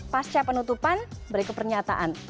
pasca penutupan berikut pernyataan